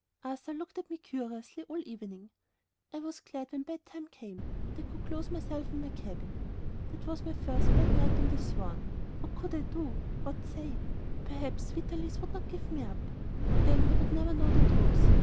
Arthur looked at me curiously all the evening. I was glad when bedtime came, and I could close myself in my cabin. That was my first bad night on board the Swan. What could I do? What say? Perhaps Vitalis would not give me up, then they would never know the truth.